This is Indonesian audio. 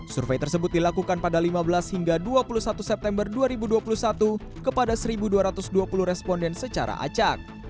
survei tersebut dilakukan pada lima belas hingga dua puluh satu september dua ribu dua puluh satu kepada satu dua ratus dua puluh responden secara acak